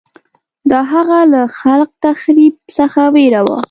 دا هغه له خلاق تخریب څخه وېره وه